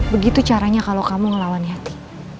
begitu caranya kalo kamu ngelawan nyati